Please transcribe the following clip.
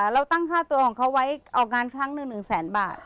เราตั้งค่าตัวของเขาไว้ออกงานครั้งหนึ่ง๑แสนบาท